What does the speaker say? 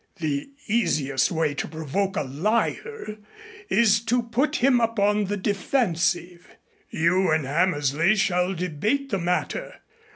The easiest way to provoke a liar is to put him upon the defensive. You and Hammersley shall debate the matter.